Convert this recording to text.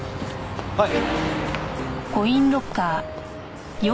はい。